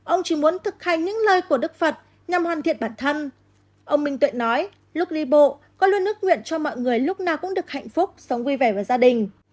ông chỉ muốn thực hành những lời của đức phật nhằm hoàn thiện bản thân ông minh tuyệt nói lúc đi bộ con luôn ước nguyện cho mọi người lúc nào cũng được hạnh phúc sống vui vẻ và gia đình